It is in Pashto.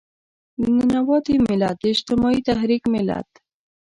د ننواتې ملت، د اجتماعي تحرک ملت.